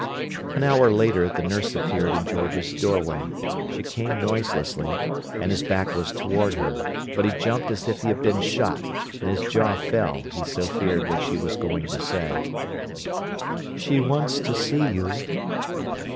An hour later the nurse appeared in George's doorway; she came noiselessly, and his back was toward her; but he jumped as if he had been shot, and his jaw fell, he so feared what she was going to say. "She wants to see you."